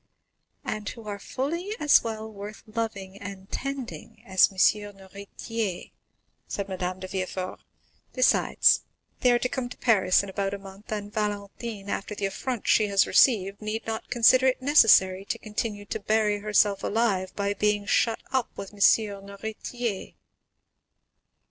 "And who are fully as well worth loving and tending as M. Noirtier," said Madame de Villefort; "besides, they are to come to Paris in about a month, and Valentine, after the affront she has received, need not consider it necessary to continue to bury herself alive by being shut up with M. Noirtier."